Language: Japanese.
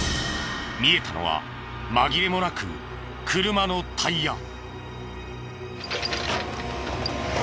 見えたのは紛れもなく車のタイヤ。